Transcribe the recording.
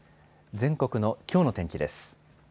全国のきょうの天気です。